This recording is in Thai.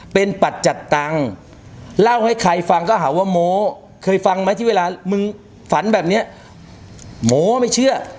เป็นปัจจัดตังค์เล่าให้ใครฟังก็หาว่าโมเคยฟังไหมที่เวลามึงฝันแบบนี้โมไม่เชื่อ